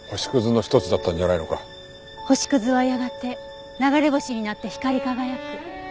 星屑はやがて流れ星になって光り輝く。